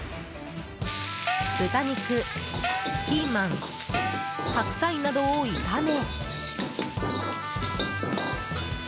豚肉、ピーマン白菜などを炒め。